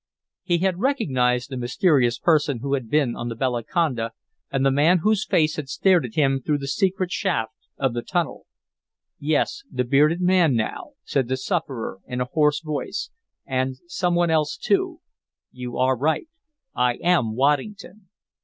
He had recognized the mysterious person who had been on the Bellaconda, and the man whose face had stared at him through the secret shaft of the tunnel. "Yes, the 'bearded man' now," said the sufferer in a hoarse voice, "and some one else too. You are right. I am Waddington!"